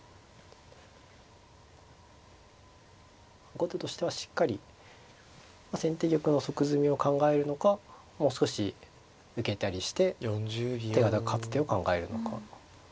後手としてはしっかり先手玉の即詰みを考えるのかもう少し受けたりして手堅く勝つ手を考えるのか。